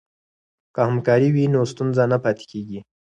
که همکاري وي نو ستونزه نه پاتې کیږي.